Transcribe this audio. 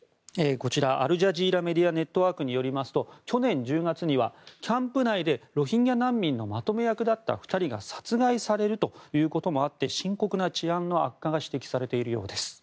アルジャジーラ・メディア・ネットワークによりますと去年１０月にはキャンプ内でロヒンギャ難民のまとめ役だった２人が殺害されるということもあって深刻な治安の悪化が指摘されているようです。